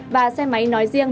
và xe máy nói riêng